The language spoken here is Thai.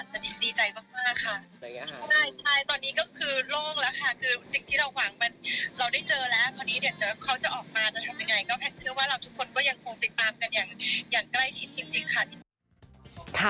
ก็แทนเชื่อว่าเราทุกคนก็ยังคงติดตามกันอย่างใกล้ชิ้นจริงค่ะ